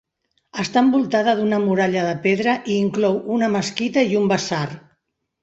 Està envoltada d'una muralla de pedra i inclou una mesquita i un basar.